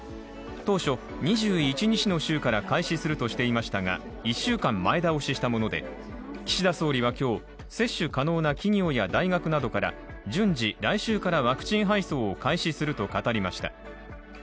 当初、２１日の週から開始するとしていましたが１週間前倒ししたもので、岸田総理は今日、接種可能な企業や大学などから順次、来週からワクチン配送を開始すると語りました。